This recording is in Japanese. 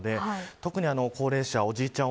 特に高齢者、おじいちゃん